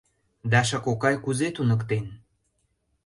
— Даша кокай кузе туныктен?